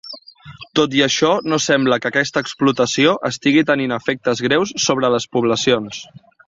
Tot i això no sembla que aquesta explotació estigui tenint efectes greus sobre les poblacions.